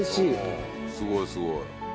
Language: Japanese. うんすごいすごい。